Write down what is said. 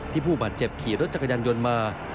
ผู้บาดเจ็บขี่รถจักรยานยนต์มา